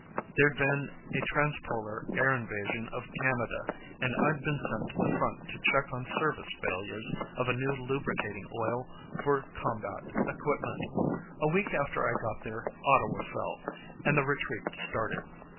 There'd been a transpolar air invasion of Canada, and I'd been sent to the front to check on service failures of a new lubricating oil for combat equipment. A week after I got there, Ottawa fell, and the retreat started.